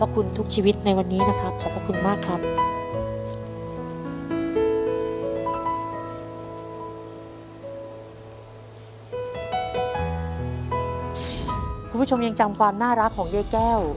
คุณผู้ชมยังจำความน่ารักของยายแก้ว